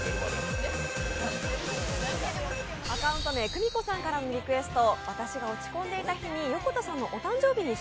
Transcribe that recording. アカウント名、くみこさんからのリクエスト。